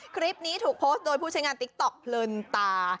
คลิปนี้ถูกโพสต์โดยผู้ใช้งานติ๊กต๊อกเพลินตา